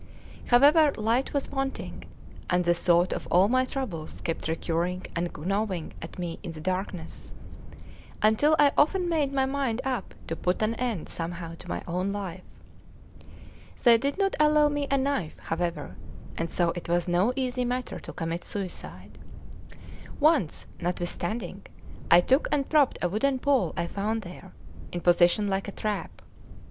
However, light was wanting; and the thought of all my troubles kept recurring and gnawing at me in the darkness, until I often made my mind up to put an end somehow to my own life. They did not allow me a knife, however, and so it was no easy matter to commit suicide. Once, notwithstanding, I took and propped a wooden pole I found there, in position like a trap.